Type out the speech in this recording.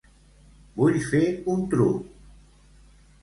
Vull fer un truc.